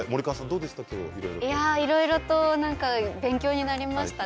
いろいろと勉強になりました。